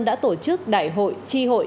đã tổ chức đại hội chi hội